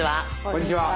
こんにちは。